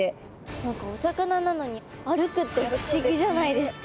何かお魚なのに歩くって不思議じゃないですか。